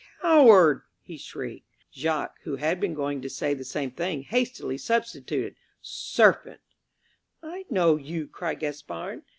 "Coward!" he shrieked. Jacques, who had been going to say the same thing, hastily substituted "Serpent!" "I know you," cried Gaspard.